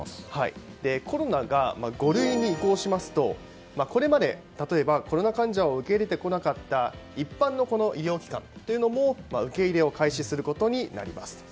コロナが五類に移行しますと例えば、これまでコロナ患者を受け入れてこなかった一般の医療機関も受け入れを開始することになります。